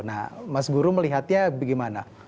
nah mas guru melihatnya bagaimana